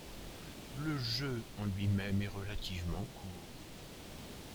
Le jeu en lui-même est relativement court.